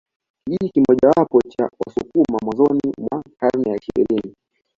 Kijiji kimojawapo cha Wasukuma mwanzoni mwa karne ya ishirini